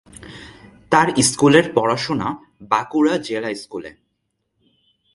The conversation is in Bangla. তার স্কুলের পড়াশোনা বাঁকুড়া জেলা স্কুলে।